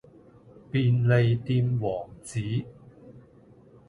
便利店王子